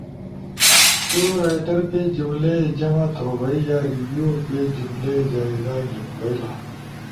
تُو ڑائیٹر پیج جمل ئی جمع توبھئی، یا ریویو پیج جملئی جائزہ گھیِن بئئیلا۔